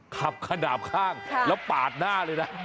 ขับขนาดข้างแล้วปาดหน้าเลยนะ